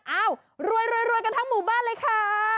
รวยกันทั้งหมู่บ้านเลยค่ะ